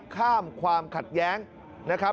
ข้ามความขัดแย้งนะครับ